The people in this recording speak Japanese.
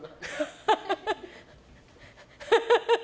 ハハハハ！